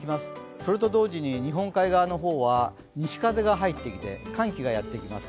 それと同時に日本海側の方は西風が入ってきて寒気がやってきます。